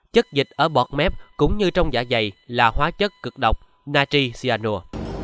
chất dịch ở bọt mép cũng như trong giả dày là hóa chất cực độc nachi xianur